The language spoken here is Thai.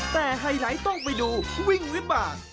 แต่ไฮไลท์ต้องไปดูวิ่งวิบาก